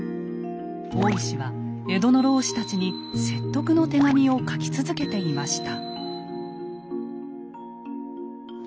大石は江戸の浪士たちに説得の手紙を書き続けていました。